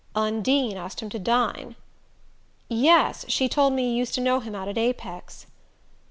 "Undine asked him to dine?" "Yes: she told me you used to know him out at Apex."